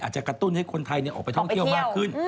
จะกระตุ้นให้คนไทยออกไปท่องเที่ยวมากขึ้น